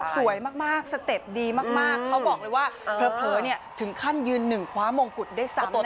สวยมากสเต็ปดีมากเขาบอกเลยว่าเผลอถึงขั้นยืนหนึ่งคว้ามงกุฎได้ซะ